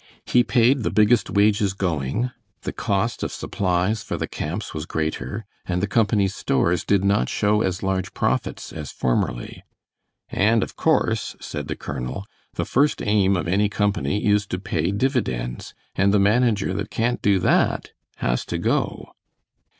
He paid the biggest wages going; the cost of supplies for the camps was greater, and the company's stores did not show as large profits as formerly; "and of course," said the colonel, "the first aim of any company is to pay dividends, and the manager that can't do that has to go."